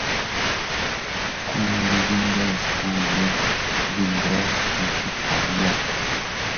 Kuinno dindeskunne nbindee bsittu kaya.